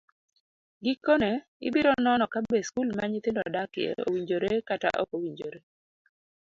Gikone, ibiro nono kabe skul ma nyithindo dakie owinjore kata ok owinjore.